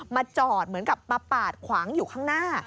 จอดเหมือนกับมาปาดขวางอยู่ข้างหน้า